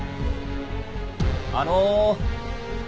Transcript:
あの。